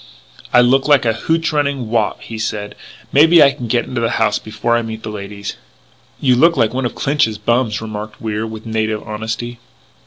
"I look like a hootch running Wop," he said. "Maybe I can get into the house before I meet the ladies " "You look like one of Clinch's bums," remarked Wier with native honesty.